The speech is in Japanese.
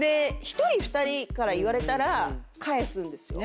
１人２人から言われたら返すんですよ。